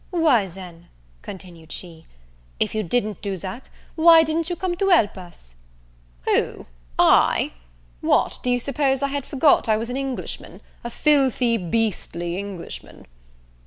"Why then," continued she, "if you didn't do that, why didn't you come to help us?" "Who, I? what, do you suppose I had forgot I was an Englishman, a filthy, beastly Englishman?"